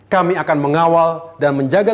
kami akan mengawal dan menjaga